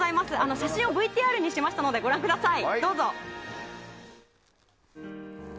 写真をＶＴＲにしましたのでご覧ください。